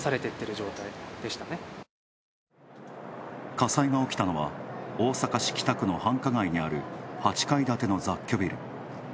火災が起きたのは大阪市北区の繁華街にある８階建ての雑居ビル。